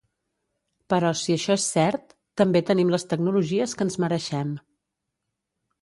Però si això és cert, també tenim les tecnologies que ens mereixem.